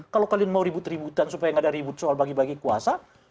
kalau kalian mau ribut ributan supaya nggak ada ribut soal bagi bagi kuasa